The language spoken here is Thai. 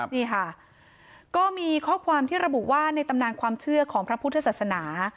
นี่ค่ะก็มีข้อความที่ระบุว่าในตำนานความเชื่อของพระพุทธศาสนา